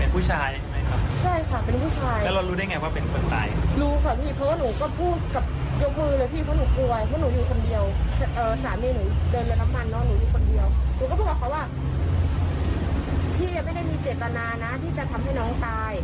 พี่ยังไม่ได้มีเจตนานะที่จะทำให้น้องตาย